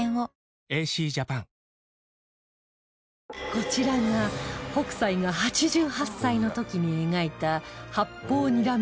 こちらが北斎が８８歳の時に描いた